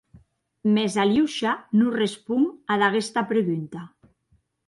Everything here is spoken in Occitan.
Mès Aliosha non responc ad aguesta pregunta.